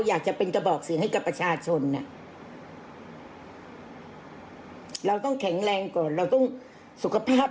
อยากจะเป็นกระบอกเสียงให้กับประชาชนอ่ะเราต้องแข็งแรงก่อนเราต้องสุขภาพ